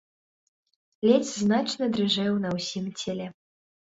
Ледзь значна дрыжэў на ўсім целе.